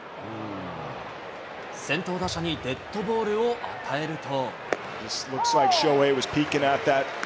先頭打者にデッドボールを与えると。